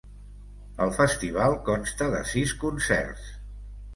El festival consta de sis concerts.